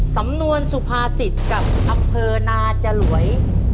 สำนวนสุภาษิตกับอำเภอนาจรวย